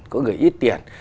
có người ít tiền